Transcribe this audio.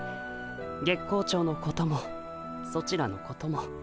月光町のこともソチらのことも。